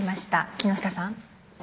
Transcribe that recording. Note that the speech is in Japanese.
木下さん。